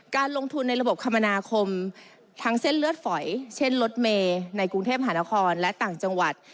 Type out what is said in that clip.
การลงทุนในระบบคมนาคมทั้งเส้นเลือดฝอยเช่นรถเมย์ในกรุงเทพหานครและต่างจังหวัด